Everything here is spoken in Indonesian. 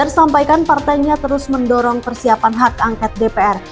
disampaikan partainya terus mendorong persiapan hak angkat dpr